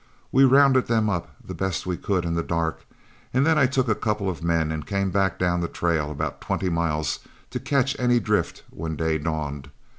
We rounded them up the best we could in the dark, and then I took a couple of men and came back down the trail about twenty miles to catch any drift when day dawned.